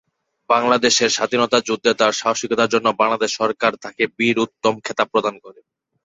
বাংলাদেশের স্বাধীনতা যুদ্ধে তার সাহসিকতার জন্য বাংলাদেশ সরকার তাকে বীর উত্তম খেতাব প্রদান করে।